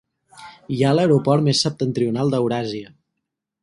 Hi ha l'aeroport més septentrional d'Euràsia.